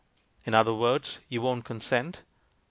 "In other words, you won't consent?"